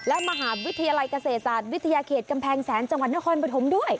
และมหาวิทยาลัยเกษตรศาสตร์วิทยาเขตกำแพงแสนจังหวัดนครปฐมด้วย